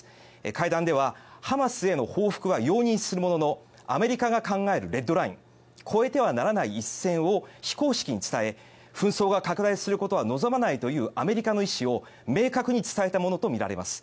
会談ではハマスへの報復は容認するもののアメリカが考えるレッドライン越えてはならない一線を非公式に伝え、紛争が拡大することは望まないというアメリカの意思を明確に伝えたものとみられます。